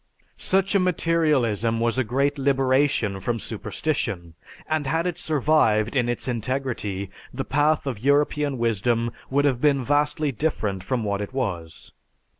"Such a materialism was a great liberation from superstition; and had it survived in its integrity, the path of European wisdom would have been vastly different from what it was.